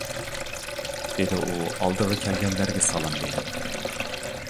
-دېدى ئۇ ئالدىغا كەلگەنلەرگە سالام بېرىپ.